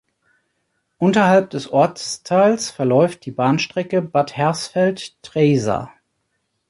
Unterhalb des Ortsteils verläuft die Bahnstrecke Bad Hersfeld–Treysa.